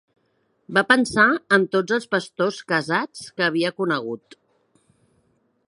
Va pensar en tots els pastors casats que havia conegut.